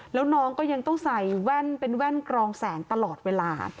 แล้วน้องก็ยังต้องใส่แว่นเป็นแว่นกรองแสงตลอดเวลา